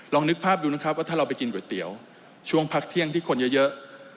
นึกภาพดูนะครับว่าถ้าเราไปกินก๋วยเตี๋ยวช่วงพักเที่ยงที่คนเยอะ